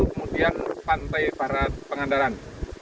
kemudian pantai barat pangandaran